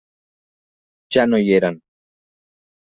Ja no hi eren.